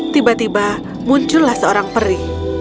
tiba tiba muncullah seorang peri